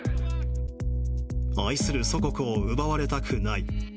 愛する祖国を奪われたくない。